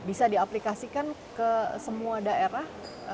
bisa diaplikasikan ke semua daerah